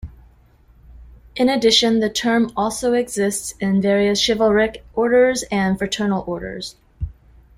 In addition, the term also exists in various chivalric orders and fraternal orders.